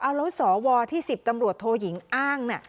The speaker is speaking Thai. แล้วสภที่๑๐ตำรวจโทหยิงอ้าง